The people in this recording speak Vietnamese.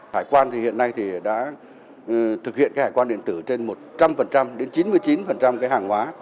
hải quan thì hiện nay thì đã thực hiện cái hải quan điện tử trên một trăm linh đến chín mươi chín cái hàng hóa